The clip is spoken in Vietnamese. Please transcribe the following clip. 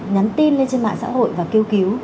nhắn tin lên trên mạng xã hội và kêu cứu